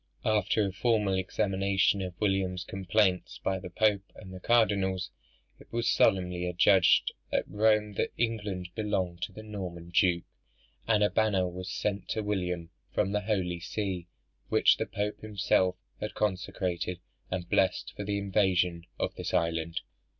After a formal examination of William's complaints by the Pope and the cardinals, it was solemnly adjudged at Rome that England belonged to the Norman duke; and a banner was sent to William from the holy see, which the Pope himself had consecrated and blessed for the invasion of this island.